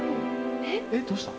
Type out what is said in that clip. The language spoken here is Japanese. えっどうした？